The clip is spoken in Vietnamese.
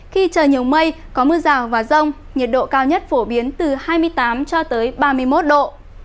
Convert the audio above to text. khi trời nhiều mây có mưa rào và rông nhiệt độ cao nhất phổ biến từ hai mươi tám cho tới ba mươi một độ